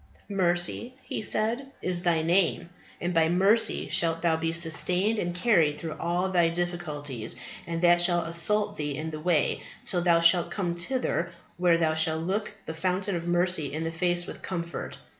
Mercy, he said, is thy name, and by mercy shalt thou be sustained and carried through all thy difficulties that shall assault thee in the way, till thou shalt come thither where thou shalt look the Fountain of Mercy in the face with comfort.